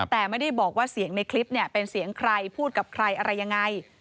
แต่ไม่ได้บอกว่าเสียงในคลิปเป็นเสียงใครพูดกับใครอะไรยังไง